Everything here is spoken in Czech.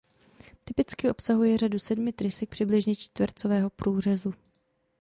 Typicky obsahuje řadu sedmi trysek přibližně čtvercového průřezu.